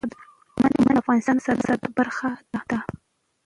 منی د افغانستان د صادراتو برخه ده.